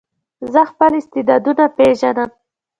زه خپل استعدادونه پېژنم.